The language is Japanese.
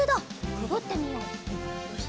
くぐってみよう。